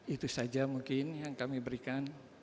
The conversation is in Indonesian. itu saja mungkin yang kami berikan